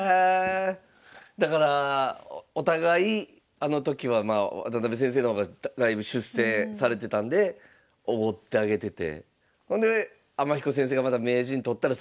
だからお互いあの時は渡辺先生の方がだいぶ出世されてたんでおごってあげててほんで天彦先生がまた名人取ったらそれもお祝いして。